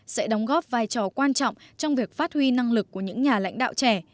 sẽ đóng góp vai trò quan trọng trong việc phát huy năng lực của những nhà lãnh đạo trẻ